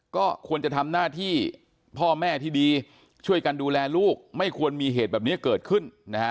ก็ควรจะทำหน้าที่พ่อแม่ที่ดีช่วยกันดูแลลูกไม่ควรมีเหตุแบบนี้เกิดขึ้นนะฮะ